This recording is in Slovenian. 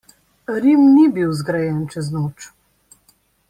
Rim ni bil zgrajen čez noč.